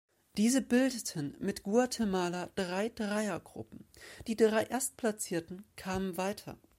Diese bildeten mit Guatemala drei Dreiergruppen, die drei Erstplatzierten kamen weiter.